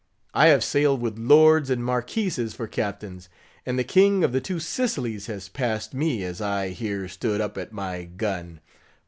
I have sailed with lords and marquises for captains; and the King of the Two Sicilies has passed me, as I here stood up at my gun.